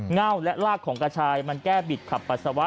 เง่าและรากของกระชายมันแก้บิดขับปัสสาวะ